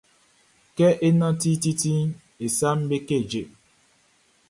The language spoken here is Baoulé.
Kɛ é nánti titiʼn, e saʼm be keje.